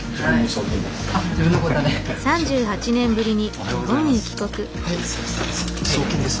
おはようございます。